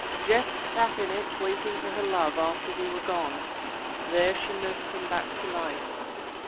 Jess sat in it waiting for her love after we were gone. There she nursed him back to life.